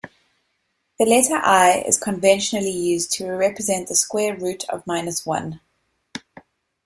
The letter i is conventionally used to represent the square root of minus one.